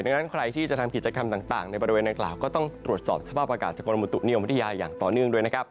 ดังนั้นใครที่จะทำกิจกรรมต่างในบริเวณดังกล่าวก็ต้องตรวจสอบสภาพอากาศจากกรมบุตุนิยมวิทยาอย่างต่อเนื่องด้วยนะครับ